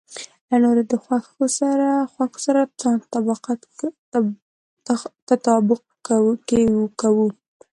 له نورو د خوښو سره ځان تطابق کې کوو.